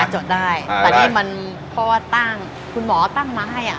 จดได้แต่นี่มันเพราะว่าตั้งคุณหมอตั้งมาให้